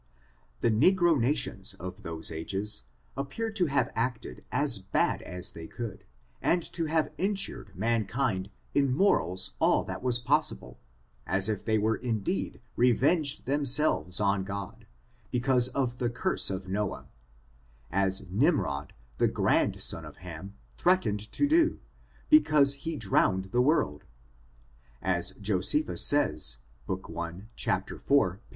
The negro nations of those ages, appear to have acted as bad as they could, and to have injured man kind in morals all that was possible, as if they were indeed revenging themselves on God, because of tho curse of iVboA, as Nimrod, the grand son of Hanty threatened to do, because he drowned the world [as Josephus says, book 1, chap, iv, p.